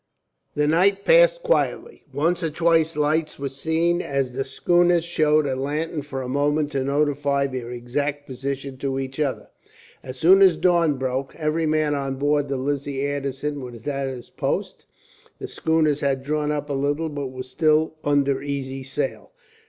The night passed quietly. Once or twice lights were seen, as the schooners showed a lantern for a moment to notify their exact position to each other. As soon as dawn broke, every man on board the Lizzie Anderson was at his post. The schooners had drawn up a little, but were still under easy sail.